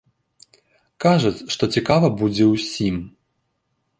Кажуць, што цікава будзе ўсім.